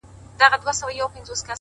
هر یوه خپل په وار راوړي بربادې وې دلته!!